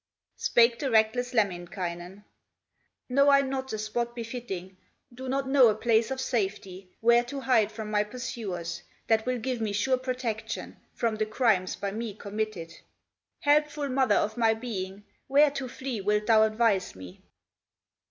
Spake the reckless Lemminkainen: "Know I not a spot befitting, Do not know a place of safety, Where to hide from my pursuers, That will give me sure protection From the crimes by me committed. Helpful mother of my being, Where to flee wilt thou advise me?"